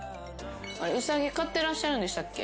ウサギ飼ってらっしゃるんでしたっけ？